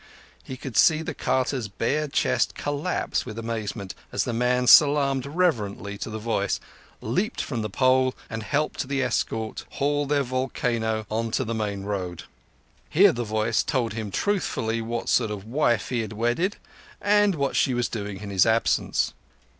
He could see the carter's bare chest collapse with amazement, as the man salaamed reverently to the voice, leaped from the pole, and helped the escort haul their volcano on to the main road. Here the voice told him truthfully what sort of wife he had wedded, and what she was doing in his absence.